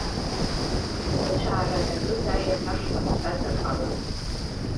Зҭыцәаара даҿыз аиаҳәашҟа дцазар ҟалап.